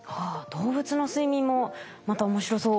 動物の睡眠もまた面白そうですね。